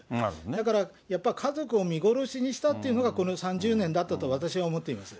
だから、やっぱり家族を見殺しにしたっていうのが、この３０年だったと私は思ってます。